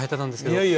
いやいや。